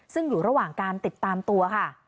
ซึ่งอยู่ระหว่างการติดตามตัวค่ะ